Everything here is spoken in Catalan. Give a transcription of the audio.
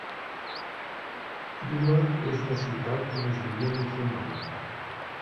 Duma és una ciutat de majoria musulmana.